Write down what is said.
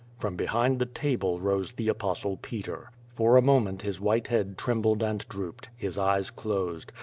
From behind the table rose the Apostle Peter. For a moment his white head trembled and drooped. His eyes closed.